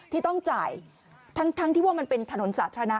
ที่ต้องจ่ายทั้งที่ว่ามันเป็นถนนสาธารณะ